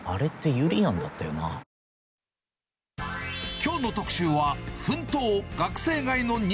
きょうの特集は、奮闘！